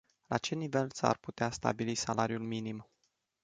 La ce nivel s-ar putea stabili salariul minim?